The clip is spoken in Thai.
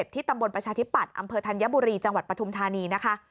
ที่ตำบลประชาธิปัตย์อำเภอธัญบุรีจังหวัดปฐุมธานีนะคะ